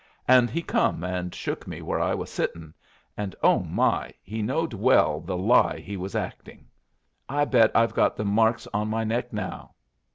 And he come and shook me where I was sittin', and oh, my, he knowed well the lie he was acting. I bet I've got the marks on my neck now.